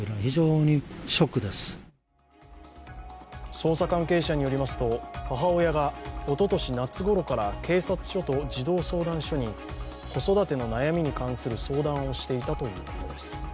捜査関係者によりますと母親がおととし夏ごろから警察署と児童相談所に子育ての悩みに関する相談をしていたということです。